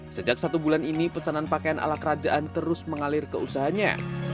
sejak satu bulan ini pesanan pakaian ala kerajaan terus mengalir ke usahanya